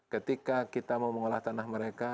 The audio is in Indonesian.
ketika kita mau mengolah tanah mereka